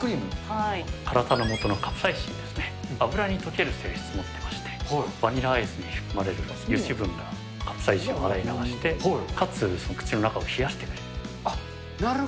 辛さのもとのカプサイシンは油に溶ける性質持ってまして、バニラアイスに含まれる油脂分が、カプサイシンを洗い流して、かつ、口の中を冷やしてくれる。